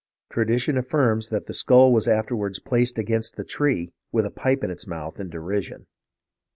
Tradition affirms that the skull was afterward placed against the tree with a pipe in its mouth in derision."